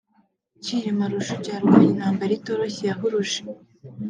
Cyilima Rujugira yarwanye intambara itoroshye yahuruje